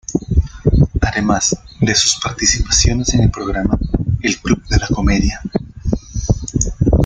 Además de sus participaciones en el programa "El club de la comedia".